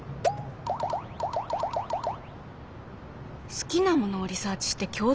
「好きなものをリサーチして共通の話題を作る」。